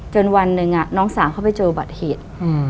วันหนึ่งน้องสาวเขาไปเจอบัตรเหตุ